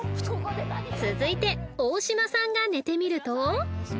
［続いて大島さんが寝てみると］